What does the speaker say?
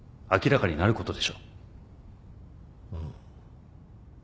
うん。